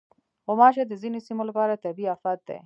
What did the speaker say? غوماشې د ځینو سیمو لپاره طبعي افت دی.